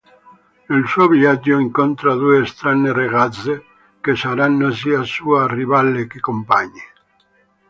Nel suo viaggio incontra due strane ragazze che saranno sia sue rivale che compagne.